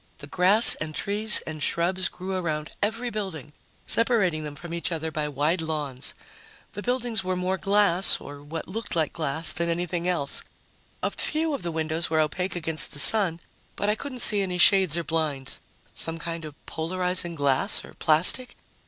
The grass and trees and shrubs grew around every building, separating them from each other by wide lawns. The buildings were more glass or what looked like glass than anything else. A few of the windows were opaque against the sun, but I couldn't see any shades or blinds. Some kind of polarizing glass or plastic?